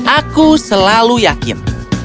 aku selalu yakin